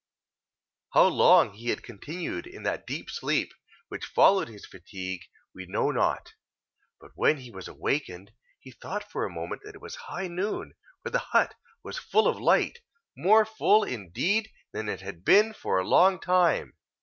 How long he had continued in that deep sleep which followed his fatigue, we know not, but when he was awakened, he thought for a moment that it was high noon, for the hut was full of light, more full indeed than it had been for a long time.